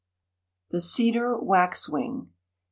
] THE CEDAR WAXWING.